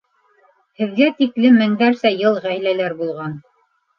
Һеҙгә тиклем меңдәрсә йыл ғаиләләр булған.